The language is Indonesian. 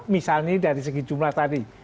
misalnya dari segi jumlah tadi